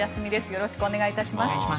よろしくお願いします。